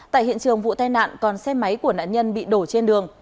tại hiện trường vụ tai nạn còn xe máy của nạn nhân bị đổ trên đường